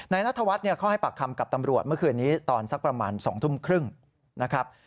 นัทวัฒน์เขาให้ปากคำกับตำรวจเมื่อคืนนี้ตอนสักประมาณ๒ทุ่มครึ่งนะครับ